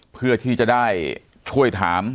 เพื่อที่จะได้ช่วยถาม